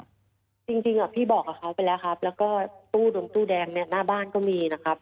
จริงพี่บอกกับเขาไปแล้วครับแล้วก็ตู้ดงตู้แดงเนี่ยหน้าบ้านก็มีนะครับ